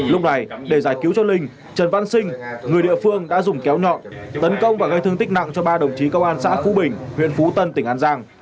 lúc này để giải cứu cho linh trần văn sinh người địa phương đã dùng kéo nhọn tấn công và gây thương tích nặng cho ba đồng chí công an xã phú bình huyện phú tân tỉnh an giang